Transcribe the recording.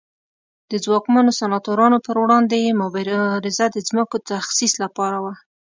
د ځواکمنو سناتورانو پر وړاندې یې مبارزه د ځمکو تخصیص لپاره وه